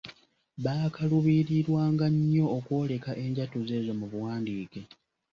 Baakaluubirirwanga nnyo okwoleka enjatula ezo mu buwandiike.